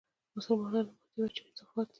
مسلمانانو ماتې وجه اضافات دي.